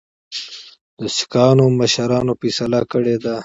د سیکهانو مشرانو فیصله کړې ده.